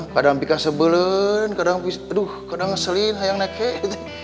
kadang pika sebelin kadang ngeselin kayak nekik